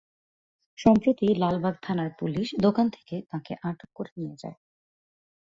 সম্প্রতি লালবাগ থানার পুলিশ দোকান থেকে তাঁকে আটক করে নিয়ে যায়।